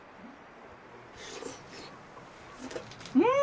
うん！